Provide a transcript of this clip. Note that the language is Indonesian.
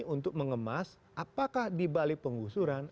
untuk mengemas apakah dibalik penggusuran